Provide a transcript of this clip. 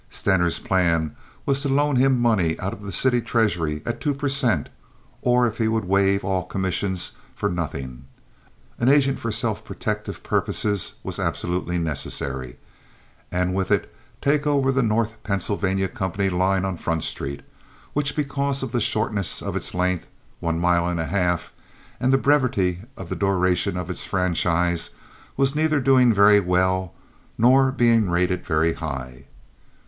Stener's plan was to loan him money out of the city treasury at two per cent., or, if he would waive all commissions, for nothing (an agent for self protective purposes was absolutely necessary), and with it take over the North Pennsylvania Company's line on Front Street, which, because of the shortness of its length, one mile and a half, and the brevity of the duration of its franchise, was neither doing very well nor being rated very high.